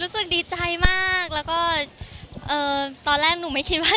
รู้สึกดีใจมากนะคะ